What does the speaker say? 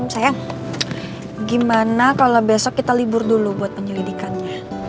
sayang gimana kalau besok kita libur dulu buat penyelidikannya